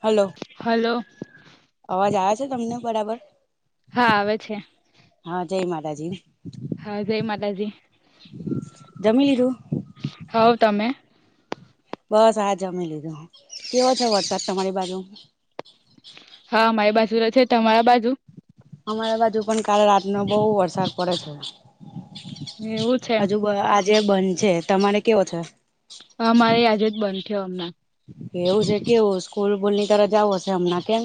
Hello. Hello. અવાજ આવ છે તમને બરાબર. હા આવે છે. હાં જય માતાજી. હાં જય માતાજી જમી લીધું હોવ તમે બસ આ જમી લીધો કેવો છે વરસાદ તમારી બાજુ. હા અમારી બાજુ રયે છે તમારા બાજુ. અમારા બાજુ પણ કાલે રાતનો બહુ વરસાદ પડે છે. એવું છે હજુ આજે બંધ છે, તમારે કેવો છે. અમારે આયાજે જ બંધ થયો હમણાં એવું છે કેવું સ્કૂલ બોલની તર જવો હશે હમણાં કેમ?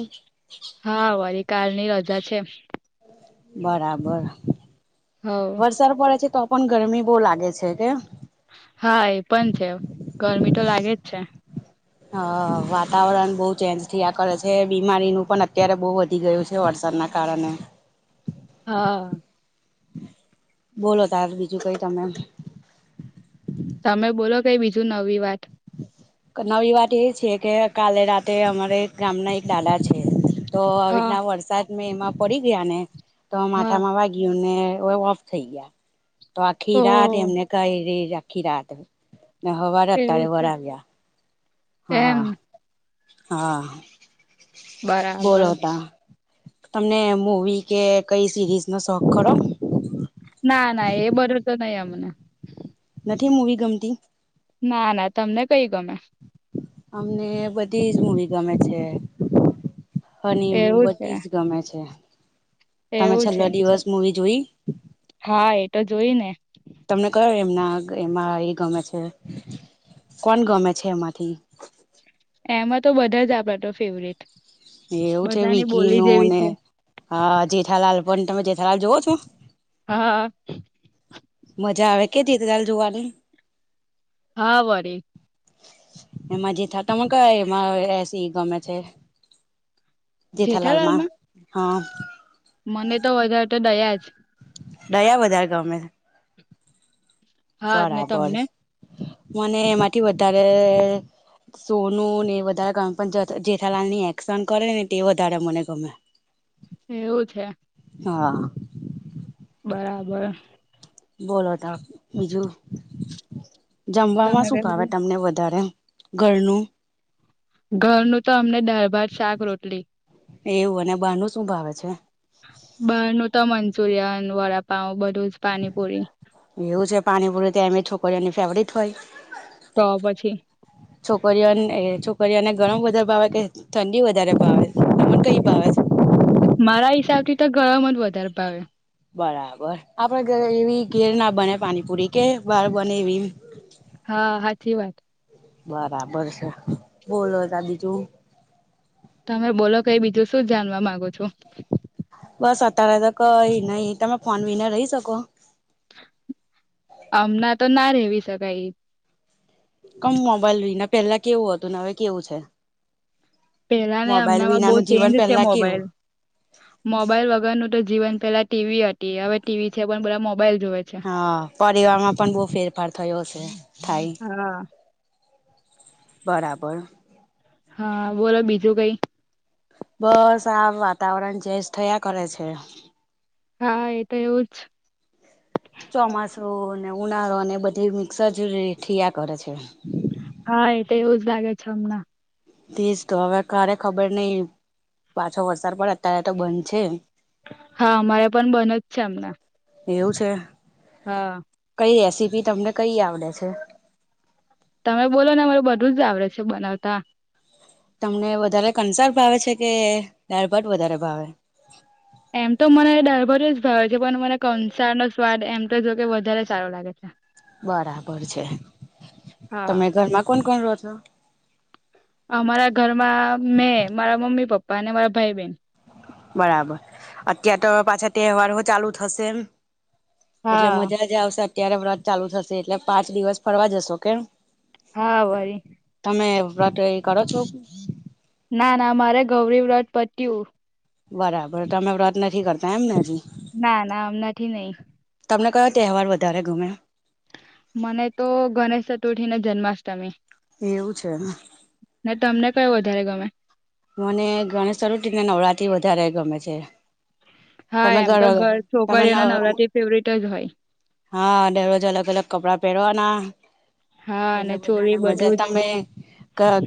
હા વારી કળ ની રજા છે. બરાબર હવ વરસાદ પડે છે, તો પણ ગરમી બહ લાગે છે, કે? હા એ પણ છે ગરમી તો લાગે જ છે. હ વાતાવરણ બહુ ચેન્જ થયા કરે છે બીમારીનું પણ અત્યારે બહ વધારે ઘટી ગયું છે વરસાદના કારણે હા. બોલો ત હ બીજું કઈ તમેમ? તમે બોલો કઈ બીજું નવી વાત. નવી વાત એ છે કે કાલે રાતે અમારે ગામના એક દાદા છે. તો આવી હા રીતના વરસાદ મેં એમાં પડી ગયા ને તો હા માથામાં વાગ ઓફ થઈ ગયા તો આ ઓ ખીરા એમને કઈ ખીરાત હો ત એવું છે બરા એમ હા. હા બરાબર બોલોતા તમને મૂવી કે કઈ સિરીઝ નો શોખ ખો? ના ના એ બર તો નહી અમને નથી મૂવી ગમતી. ના ના તમને કઈ ગમે. અમને બધી જ મૂવી ગમે છે. હ એવું છે બધી જ ગમે છે તમે એવું છેલ્લો છે દિવસ મવી જોઈ? હા એ તો જોઈ ને. તમને કયો એમના એમાં એ ગમે છે કોણ ગમે છે એમાંથી? એમાં તો બધા જ આપણા તો ફેવરેટ. એવું છે બધાની વકી બોલી નું જેવી અનેને છે. હ જેઠાલાલ પણ તમે જેઠાલાલ જોવ છો? હા. મજા આવે કે રીતે ચાલ જોવાની? હા બરી. એમાં જ થ તને ક એમાં એસી ગમે છે. જીથાલાલ માં જેઠાલાલમાં હા. મને તો વધારે તો દયા જ ડયા વધારે ગમે હા ને બરાબર. તમને મને એમાંથી વધારે શો નું ને એ વધારે ગમે પણ જેઠાલાલ ની એકશન કરે ને તે વધારે મને ગમે. એવું છે. હા. બરાબર. બોલો તો બીજું જમવામાં તમે શું ભાવે કહ્યું તમને વધારે ઘરનું ઘરનું તો અમને દાળભાત શાક રોટલી એવું અને બાર નુ શું ભાવે છે બાર નું તો મંચુરિયન વડાપાવ બધું જ પાનીપુરી એવું છે પાણીપુરું તે એમે છોકરીઓની ફેવરીટ હોય તો પછી છોકરીઓ છોકરીઓને ગરમ વધારે ભાવે કે ઠંડી વધારે ભાવે તન કઈ ભાવે છે મારા હિસાબ થી તો ગરમ જ વધારે ભાવે બરાબર આપડ ઘરે એવી ઘેર ના બને પાણીપુરી કે બહાર બને એવી હા સાાચી વાત બરાબર છે બોલો તાર બીજુ તમે બોલો કઈ બીજું શું જાણવા માંગો છો. બસ અત્યારે તો કઈ નહી તમે ફોન વીના રહી શકો. હમણાં તો ના રેવી શકાય. કમ મોબાઈલ લઈને પેલા કેવું હતું ને હવે કેવું છે. પેલા ને મોબાઈલ હમણાં માં બહુ વિનાનું જીવન ચેન્જ છે પેલા કેવું મોબાઈલ મોબાઈલ વગરનું તો જીવન પેલા ટીવી હતી હવે ટીવી છે પણ બધા મોબાઈલ જોવે છે. હા પરિવારમાં પણ બહુ ફેરફાર થયો છે થાય. હા બરાબર. હા બોલો બીજું કઈ બસ આ વાતાવરણ ચેન્જ થયા કરે છે. હા એ તો એવું જ [inaudible] ચોમાસું અને ઉનાળો અને બધી મિક્સર જ ઠીયા કરે છે. હા એ તો એવું જ લાગે છે હમણાં જ તો હવે કારે ખબર નઈ પાછો વરસાદ પડે અત્યારે તો બંધ છે. હા અમારે પણ બન જ છે અમનેં. એવું છે. [inaudible] કઈ રેસીપી તમને કઈ આવડે છે. તમે બોલો ને મરે બધું જ આવડે છે બનાવતા તમને વધારે કન્સાર ભાવે છે કે દાળભાત વધારે ભાવે એમ તો મને દાળભાત જ ભાવ છે પણ મને કંસાર નો સ્વાદ એમ તો જો કે વધારે સારો લાગે છે બરાબર છે હા તમે ઘરમાં કોણ કોણ રો છો અમારા ઘરમાં મેં મારા મમ્મી પપ્પા અને મારા ભાઈ બહેન. બરાબર અત્યાર તો પાછા તહેવાર ચાલુ થશે એમ એટલે હા મજા જ આવશે અત્યારે વ્રત ચાલુ થશે એટલે પાંચ દિવસ ફરવા જશો કેમ. હા વરી તમે વત કરો છો. ના ના મારે ગૌરી વ્રત પત્યું બરાબર તમે વ્રત નથી કરતા એમ ને હજી ના ના હમનાથી નહી તમને કયો તહેવાર વધારે ગમે મને તો ગણેશ ચતુર્થી ને જન્માષ્ટમી એવું છે ને. ને તમને કયો વધારે ગમે મને ગણેશ ચતુર્થી ને નવરાતી વધારે ગમે છે. હા એમ તો ઘર તમે છોકરીઓ અને નવ નવરાત્રી ફેવરિટ જ હોય હા દરરોજ અલગ અલગ કપડાં પહેરવાના હા એટલે અને બધાને ચોલી મજા બધું જ તમે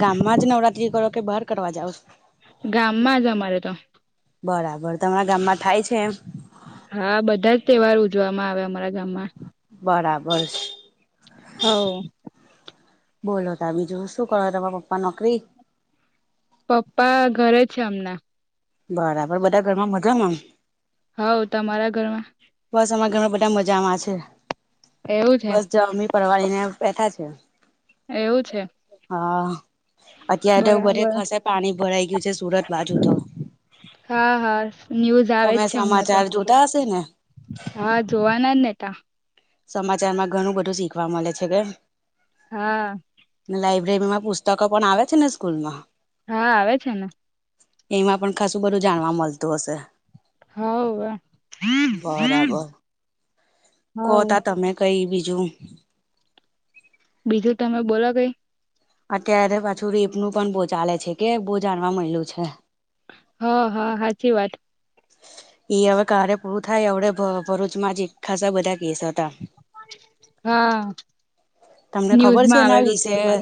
ગામમાં જ નવરાત્રી કરો કે બહાર કરવા જાઓ છો? ગામમાં જ અમારે તો બરાબર તમારા ગામમાં થાય છે એમ? હા બધા જ તહેવાર ઉજવામાં આવે અમારા ગામમાં બરાબર [inaudible] બોલો તાર બીજુ શું કરો તમા પપ્પા નોકરી? પપ્પા ઘરે છે હમનાં બરાબર બધા ઘર માં મજામાં? હવ તમારા ઘરમાં? બસ અમારા ઘરમાં બધા મજામાં છે એવું છે બસ જમી પરવારીને બેઠા છે. એવું છે. હા અત્યારે તો બધે બરાબર ખસે પાણી ભરાઈ ગયું છે સુરત બાજુ તો. હા હા ન્યૂઝ. આવે જ તમે છે હમણાં તો સમાચાર જોતા હશે ને. હા જોવાના ને જ નતા સમાચાર માં ઘણું બધું શીખવા મળે છે કે હા લાઈબ્રેરીમાં પુસ્તકો પણ આવે છે ને સ્કૂલ માં. હા આવે છે ને. એમાં પણ ખાસું બધું જાણવા મળતું હશે હવ બરાબર. હવ કોતા તમે કઈ બીજું? બીજું તમે બોલો કઈ? અત્યારે પાછું રેપ નું પણ બહુ ચાલે છે કે બહુ જાણવા મળેલું છે. હા હા સાાચી વાત. એ હવે કાર્ય પૂરું થાય આવડા ભરૂચમાં જ એક ખાસા બધા કેસ હતા્ હા તમને ખબર છે ન્યૂઝમાં એના આવેલું છે વિશે પણ.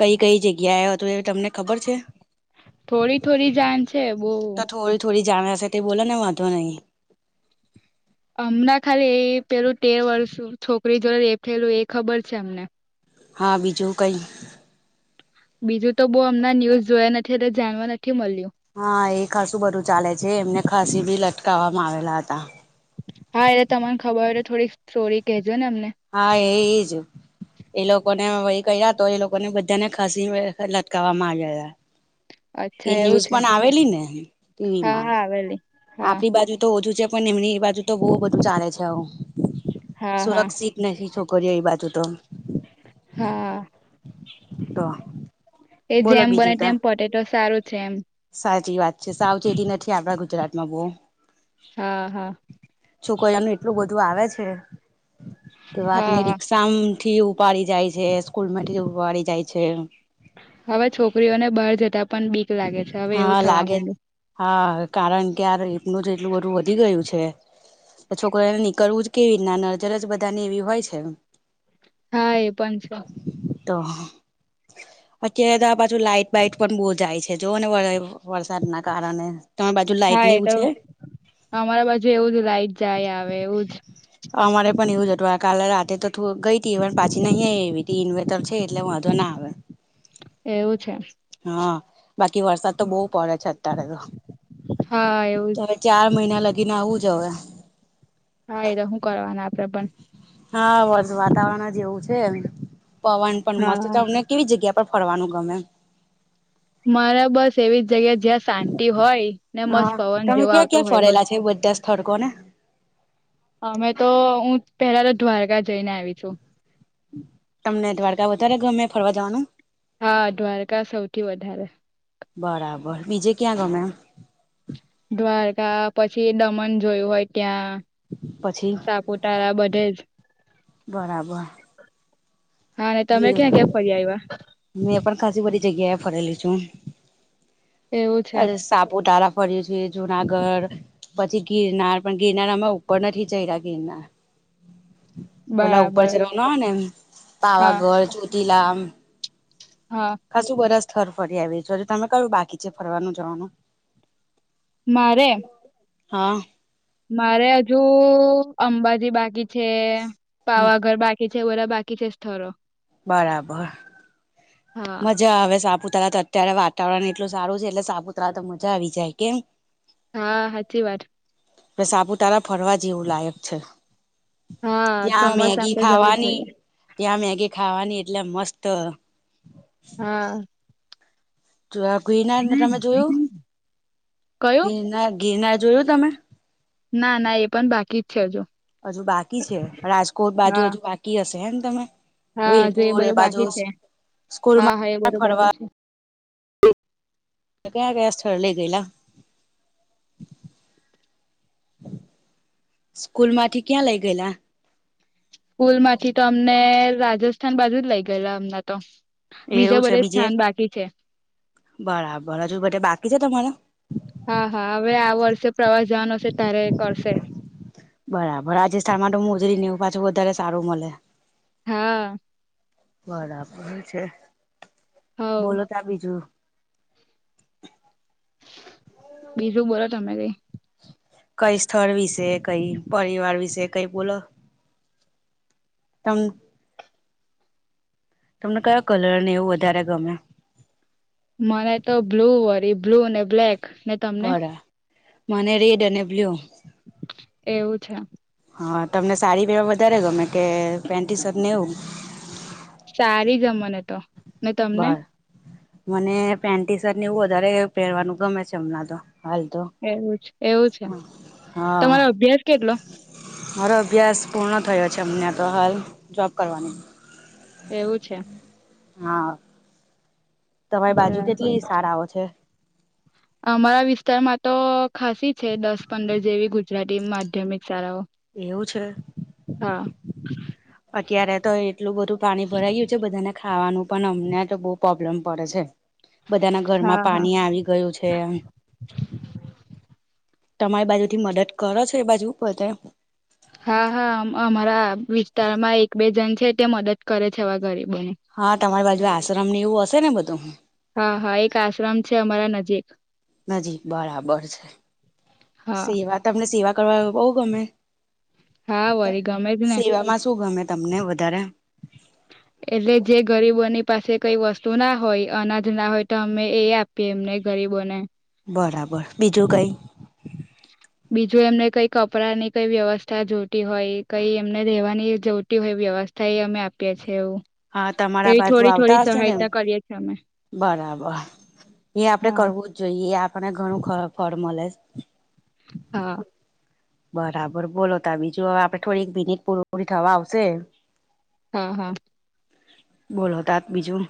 કઈ કઈ જગ્યા એ હતું એ તમને ખબર છે? થોડી થોડી જાણ છે બહુ. તો થોડી થોડી જાણ સાથે બોલો ને વાંધો નહીં. હમણાં ખાલી એ પેલું તેર વર્ષ છોકરી જોડે રેપ થયેલું એ ખબર છે અમને. હા બીજું કઈ? બીજું તો બઉ અમના ન્યુઝ જોયા નથી એટલે જાણવા નથી મળ્યું. હા એ ખાસું બધું ચાલે છે એમને ખાસી ભી લટકાવવામાં આવેલા હતા. હા એટલે તમને ખબર હોય તો થોડીક સ્ટોરી કહેજો ને અમને. હા એ એજ એ લોકોને વહી ક્યા તો એ લોકોને બધાને ફાસી લટકાવામાં આવ્યા હતા. એ અચ્છા એવું ન્યૂઝ છે પણ આવેલી ને ટીવી હા માં. હા આવેલી હા આપણી બાજુ તો ઓછુ છે પણ એમની બાજુ તો બહુ બધું ચાલે છે આવું હા હા સુરક્ષિત નહી છોકરીઓ એ બાજુ તો. હા તો એ બોલો જેમ બને બીજું તા તેમ પટે તો સારું છે એમ. સાચી વાત છે સાવચેતી નથી આપણા ગુજરાતમાં બહુ. હા હા. છોકરીઆનું એટલું બધું આવે છે તો વાત નઈ હા રિક્ષામાંથી એવું ઉપારી જાય છે, સ્કૂલમાંથી ઉપાડી જાય છે. હવે છોકરીઓને બહાર જતા પણ બી હા લાગે હા કારણ કે રેપ નું જે એટલુ બધું વધી ગયું છે તો છોકરીઓ ને નીકરવું જ કેવી રીતે નજર જ બધા ને એવી હોય છે હા એ પણ છે તો અત્યારે તો આ બાજુ લાઈટ બાઈટ પણ બહુ જાય છે જો ને વ વરસાદના કારણે તમારી બાજુ લાઈટ હા ને એ એવું તો છે અમારા બાજુ એવું જ લાઈટ જાય આવે એવું જ અમારે પણ એવું જ હતું કાલે રાતે તો થોડું ગઈ હતી પણ પાછી નહી એવી ઇન્વેટર છે એટલે વાંધો ના આવે એવું છે હા બાકી વરસાદ તો બહુ પડે છે અત્યારે તો હા એવું જ ચાર મહિના લગીને આવું જ હવે હા એ તો શું કરવાના આપ તબન હા બસ વાતાવરણ જ એવું છે એમ પવન પણ મસ્ત તમને કેવી જગ્યા પર ફરવાનું ગમે મારા બસ એવી જગ્યા જ્યાં શાંતિ હોય ને મસ્ત હા પવન તમે જેવો ક્યાં આવતો ક્યાં હોય બસ ફરેલા છે બધા સ્થળકો ને અમે તો હું પેલા તો દ્વારકા જઈને આવી છું તમને દ્વારકા વધારે ગમે ફરવા જવાનું હા દ્વારકા સૌથી વધારે બરાબર બીજે ક્યાં ગમે દ્વારકા પછી દમણ જોયું હોય ત્યાં પછી સાપુતારા બધે જ બરાબર હા ને તમે ક્યાં ક્યાં ફરી આવ્યા મેં પણ ખાાસી બધી જગ્યાએ ફરેલી છું એવું છે અ સાપુતારા ફર્યું છે જુનાગઢ પછી ગિરનાર પણ ગિરનાર આમાં ઉપર નથી ચડ્યા ગિરનાર પેલા ઉપર બરાબર ચાલવાનું હોય ને એમ હા પાવાગઢ ચોતીલામ હા ખાસું બધા સ્થળ ફરી આવી છે તમે કયું બાકી છે ફરવાનું જવાનું મારે હા મારે હજુ અંબાજી બાકી છે પાવાગઢ બાકી કે છે વરા બાકી છે સ્થરો બરાબર હા મજા આવે સાપુતારા તો અત્યારે વાતાવરણ એટલું સારું છે એટલે સાપુતારા તો મજા આવી જાય કેમ હા સાચી વાત કે સાપુતારા ફરવા જેવું લાયક છે હા ત્યાં મેગી ચોમાસામાં તો જવું જ ખાવાની જોઈએ ત્યાં મેગી ખાવાની એટલે મસ્ત હા જો ગિરનાર ને તમે જોયું કયું ગિરનાર ગિરનાર જોયું તમે ના ના એ પણ બાકી જ છે હજુ હજુ બાકી છે રાજકોટ બાજુ હા હજુ બાકી હશે હેને તમે હા હજુ વીરપુર બધું એ બાજુ બાકી છે હા હા એ સ્કૂલમાં બધું બાકી ફરવા છે કયા કયા સ્થળ લઈ ગયેલા સ્કૂલ માંથી ક્યાં લઇ ગયેલા સ્કૂલ માંથી તો અમને રાજસ્થાન બાજુ જ લઇ ગયેલા અમના તો બીજા એવું છે બધે બીજે સ્થાન બાકી છે બરાબર હજુ બાથે બાકી છે તમારા હા હા હવે આ વર્ષે પ્રવાસ જવાનો હશે ત્યારે કરશે બરાબર રસજસ્થાન મા તો મોજરી નેવું પાછું વધારે સારું મળે હા. બરાબર છે, હવ બોલો ત્યાં બીજું બીજું બોલો તમે કઈ કઈ સ્થળ વિશે કઈ પરિવાર વિશે કઈ બોલો તમ તમને કયો કલરને એવું વધારે ગમે મને તો બ્લુ વરી બ્લુ અને બ્લેકને બરા મને રેડ અને બ્લુ એવું છે. હા તમને સાડી પેવા વધારે ગમે કે પેન્ટી શર્ટ નેવું સારી ગમને તો ને તમને બર મને પેન્ટી શર્ટની એવું વધારે પહેરવાનું ગમે છે, અમણાં તો હાલ તો એવું એવું છે, હા તમારો અભ્યાસ કેટલો મારો અભ્યાસ પૂર્ણ થયો છે, અમને તો હાલ જોબ કરવાની એવું છે. હા. તમારી બાજુ કેટલી બરાબર શાળાઓ છે. અમારા વિસ્તારમાં તો ખાસી છે, દસ પંદર જેવી ગુજરાતી માધ્યમિક શાળાઓ એવું છે. હા. અત્યારે તો એટલું બધું પાણી ભરાઈ ગયું છે, બધાને ખાવાનું પણ અમને તો બો પ્રોબ્લેમ પડે છે. બધાના ઘરમાં હા હા પાણી આવી ગયું છે, એમ તમારી બાજુ થી મદદ કરો છો એ બાજુ બધે હા હા અમ અમારા વિસ્તારમાં એક બે જણ છે, ત્યાં મદદ કરે છે, આવા ગરીબોની હા તમારી બાજુ આશ્રમ નેવું હશે ને બધું? હા હા એક આશ્રમ છે, અમારા નજીક નજીક બરાબર છે, હા સેવા તમને સેવા કરવા બો ગમે હા વરી ગમે જ ને સેવામાં શું ગમે તમને વધારે એટલે જે ગરીબોની પાસે કઈ વસ્તુ ના હોય અનાજ ના હોય તો અમે એ આ પીએ એમને ગરીબોને બરાબર બીજું કાઈ હ બીજું એમને કઈ કપડાંની કઈ વ્યવસ્થા જોતી હોય કઈ એમને રહેેવાની જોતી હોય વ્યવ થ અમે આપીએ છે, એવું હા તમારા એવી બાજુ થોડી આવતા થોડી હશે નેમ સહાયતા કરીએ છીએ અમે બરાબર એ આપડે હા કરવું જ જોઈએ એ આપણને ઘણું ખ ફળ મલે હા. બરાબર બોલો ત બીજું હવે આપણે થોડીક મિનિટ પૂર પૂરી થવા આવશે હ હ. બોલો તાત બીજું